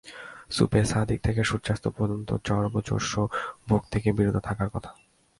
সুবহে সাদিক থেকে সূর্যাস্ত পর্যন্ত চর্বচোষ্য ভোগ থেকে বিরত থাকার কথা।